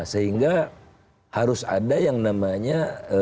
sehingga harus ada yang namanya